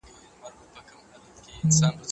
چا دېوال تر سره و نڼوی .